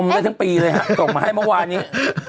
ได้ทั้งปีเลยฮะส่งมาให้เมื่อวานนี้